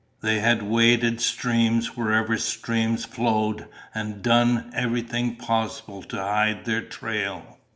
They had waded streams wherever streams flowed and done everything possible to hide their trail.